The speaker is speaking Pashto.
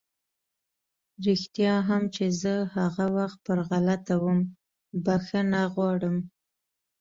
رښتيا هم چې زه هغه وخت پر غلطه وم، بښنه غواړم!